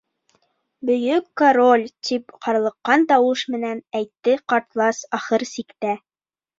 Бөйөк король! — тип ҡарлыҡҡан тауыш менән әйтте ҡартлас ахыр сиктә.